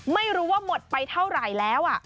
ไม่รู้ว่าหมดไปเท่าไหร่แล้ว